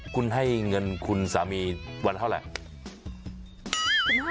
คุณให้เงินคุณสามีวันเท่าไหร่